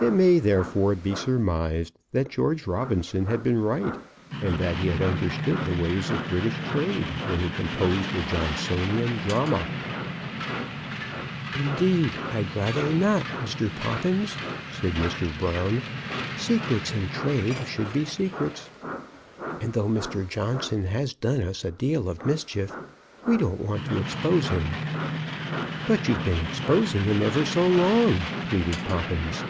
It may therefore be surmised that George Robinson had been right, and that he had understood the ways of British trade when he composed the Johnsonian drama. "Indeed, I'd rather not, Mr. Poppins," said Mr. Brown. "Secrets in trade should be secrets. And though Mr. Johnson has done us a deal of mischief, we don't want to expose him." "But you've been exposing him ever so long," pleaded Poppins.